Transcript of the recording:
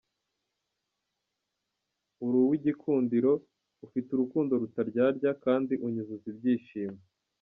Uri uw’igikundiro, ufite urukundo rutaryarya kandi unyuzuza ibyishimo.